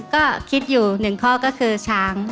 ก็คิดอยู่๑ข้อก็คือช้าง